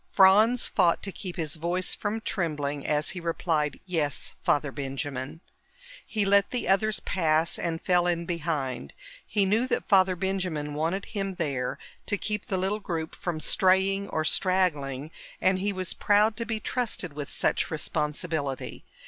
Franz fought to keep his voice from trembling as he replied, "Yes, Father Benjamin." He let the others pass and fell in behind. He knew that Father Benjamin wanted him there to keep the little group from straying or straggling, and he was proud to be trusted with such responsibility.